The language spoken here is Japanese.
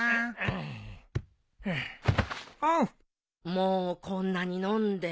もうこんなに飲んで。